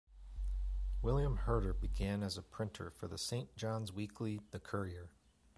William Herder began as a printer for the Saint John's weekly "The Courier".